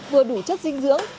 vừa đủ chất dinh dưỡng